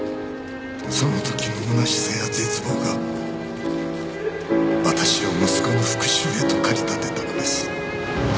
そのときの空しさや絶望が私を息子の復讐へと駆り立てたのです。